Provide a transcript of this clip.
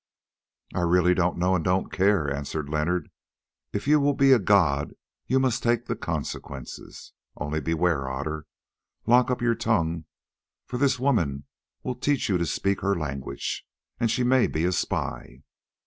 "I really don't know and don't care," answered Leonard. "If you will be a god you must take the consequences. Only beware, Otter: lock up your tongue, for this woman will teach you to speak her language, and she may be a spy."